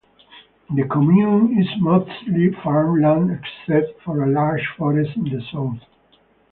The commune is mostly farmland except for a large forest in the south.